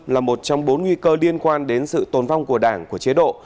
là một trong bốn nguy cơ liên quan đến sự tồn vong của đảng của chế độ